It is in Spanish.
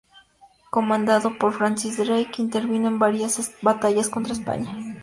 Comandado por Francis Drake intervino en varias batallas contra España.